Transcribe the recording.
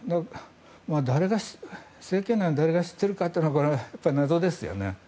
政権内の誰が知っているかはこれは謎ですよね。